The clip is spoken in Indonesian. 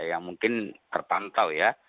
yang mungkin tertantau ya